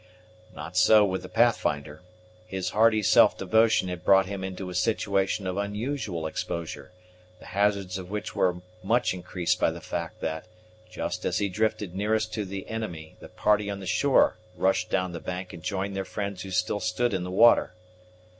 Not so with the Pathfinder: his hardy self devotion had brought him into a situation of unusual exposure, the hazards of which were much increased by the fact that, just as he drifted nearest to the enemy the party on the shore rushed down the bank and joined their friends who still stood in the water.